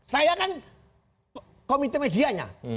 saya kan komite medianya